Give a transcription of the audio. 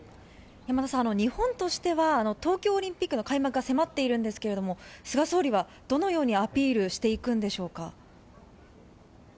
山田さん、日本としては東京オリンピックの開幕が迫っているんですけれども、菅総理はどのようにアピールしていくんでしょうか。